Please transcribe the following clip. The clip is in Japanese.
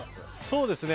そうですね。